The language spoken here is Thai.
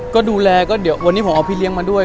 ก็ดูแลก็เดี๋ยววันนี้ผมเอาพี่เลี้ยงมาด้วย